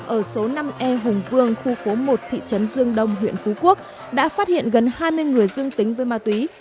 ở số năm e hùng vương khu phố một thị trấn dương đông huyện phú quốc đã phát hiện gần hai mươi người dương tính với ma túy